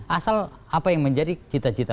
asal apa yang menjadi cita cita